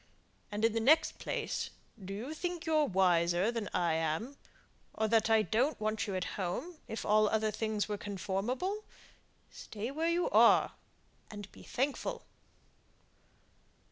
And in the next place, do you think you're wiser than I am; or that I don't want you at home, if all other things were conformable? Stay where you are, and be thankful."